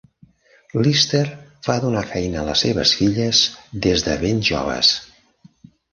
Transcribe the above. Lister va donar feina les seves filles des de ben joves.